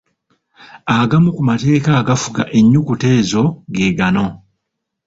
Agamu ku mateeka agafuga ennyukuta ezo ge gano.